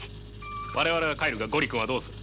我々は帰るが五里君はどうする？